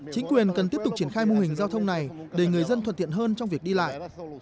chính quyền cần tiếp tục triển khai mô hình giao thông này để người dân thuận tiện hơn trong việc đi lại